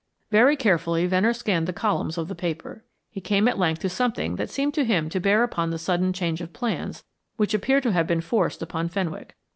Very carefully Venner scanned the columns of the paper. He came at length to something that seemed to him to bear upon the sudden change of plans which appeared to have been forced upon Fenwick.